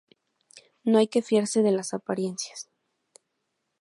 No hay que fiarse de las apariencias